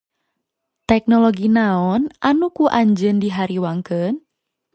Teknologi naon anu ku anjeun dihariwangkeun?